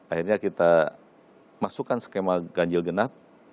akhirnya kita masukkan skema ganjil genap